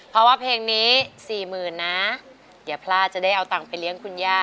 เพราะว่าเพลงนี้สี่หมื่นน่ะเดี๋ยวพลาดจะได้เอาตังค์ไปเลี้ยงคุณย่า